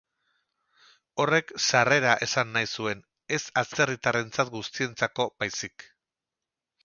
Horrek sarrera esan nahi zuen; ez atzerritarrentzat guztientzako baizik.